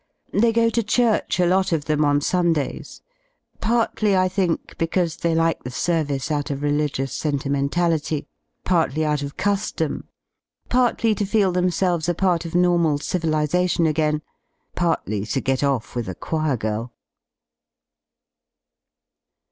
They go to church, a lot of them, on Sundays, partly, I think, because they like the service out of religious senti mentality, partly out of cus%m, partly to feel themselves a part af normal civilisation again, partly to get off with a choir girl.